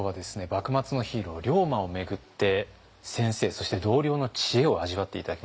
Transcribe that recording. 幕末のヒーロー龍馬を巡って先生そして同僚の知恵を味わって頂きました。